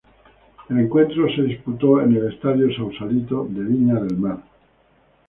El encuentro se disputó en el Estadio Sausalito de Viña del Mar.